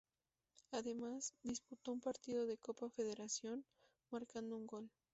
Además, disputó un partido de Copa Federación, marcando un gol.